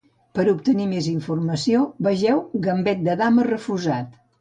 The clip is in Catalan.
Per obtenir més informació, vegeu Gambet de dama refusat.